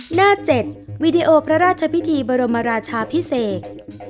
หน้า๗วีดีโอพระราชพิธีบรมราชาพิเศษ